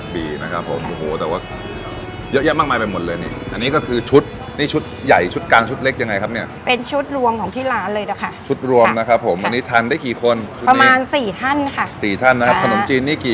พี่บ้าเป็นชุดรวมของที่ร้านละค่ะ